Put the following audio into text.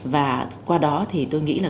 và qua đó tôi nghĩ là